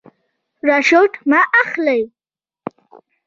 رشوت مه اخلئ